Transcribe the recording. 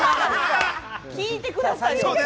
聞いてくださいよ！